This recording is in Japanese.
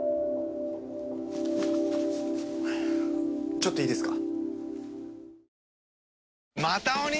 ちょっといいですか？